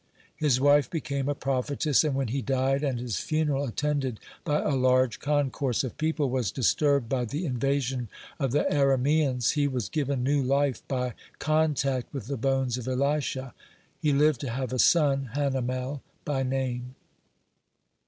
His wife became a prophetess, and when he died and his funeral, attended by a large concourse of people, was disturbed by the invasion of the Arameans, he was given new life by contact with the bones of Elisha. He lived to have a son, Hanamel by name.